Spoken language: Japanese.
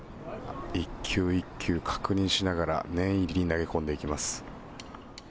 １球１球確認しながら念入りに投げ込んでいきます。